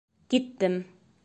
Киттем.